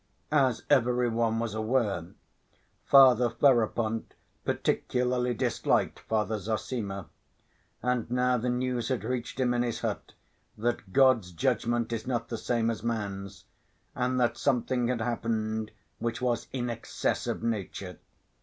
As every one was aware, Father Ferapont particularly disliked Father Zossima. And now the news had reached him in his hut that "God's judgment is not the same as man's," and that something had happened which was "in excess of nature."